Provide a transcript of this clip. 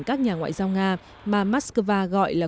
các nhà ngoại giao nga mà moscow gọi là